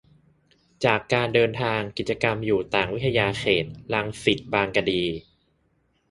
จากการเดินทาง กิจกรรมอยู่ต่างวิทยาเขต รังสิต-บางกะดี